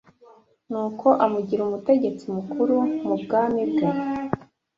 Nuko amugira umutegetsi mukuru mu bwami bwe